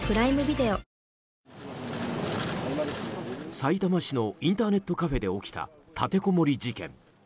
さいたま市のインターネットカフェで起きた立てこもり事件。